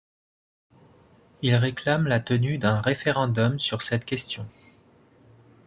Il réclame la tenue d'un référendum sur cette question.